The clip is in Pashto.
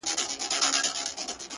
• یو خوا مُلا دی بل خوا کرونا ده,